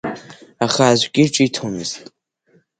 Аха аӡәгьы ҿиҭуамызт.